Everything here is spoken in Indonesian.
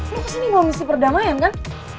lo kesini mau misi perdamaian kan